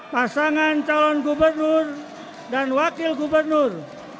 pasangan calon gubernur dan wakil gubernur